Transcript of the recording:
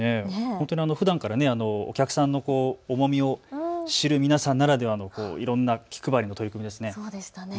本当にふだんからお客さんの重みを知る皆さんならではのいろんな気配りの取り組みですね。